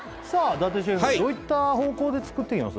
伊達シェフどういった方向で作っていきます？